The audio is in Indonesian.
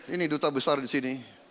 ini duta besar di sini